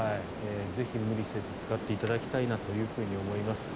ぜひ無理せず使っていただきたいと思います。